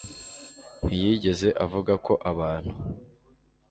ntiyigeze ivuga ko abantu